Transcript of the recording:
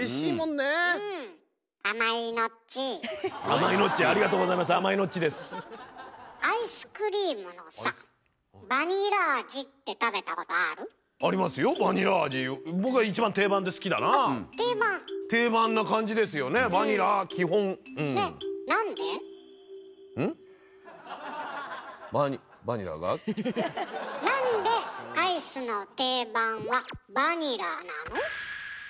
なんでアイスの定番はバニラなの？